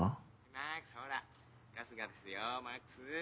マックスほら春日ですよマックス。